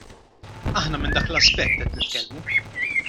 Aħna minn dak l-aspett qed nitkellmu.